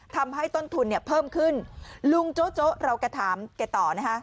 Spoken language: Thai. ทำให้ต้นทุนเนี่ยเพิ่มขึ้นลุงโจ๊โจ๊เราแกถามแกต่อนะคะ